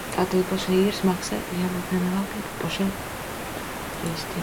Tātad pašai īres maksai ir jābūt ne lielākai par šiem griestiem.